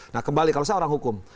nah kembali kalau saya orang hukum